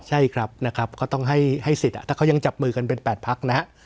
ใช่ครับนะครับก็ต้องให้สิทธิ์ถ้าเขายังจับมือกันเป็น๘พักนะฮะ